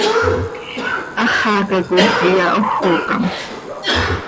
Háxaca coi ihyahójocam.